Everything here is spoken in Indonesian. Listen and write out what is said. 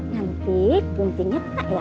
nanti guntiknya tak ya